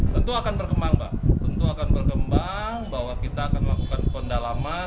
tentu akan berkembang bahwa kita akan melakukan pendalaman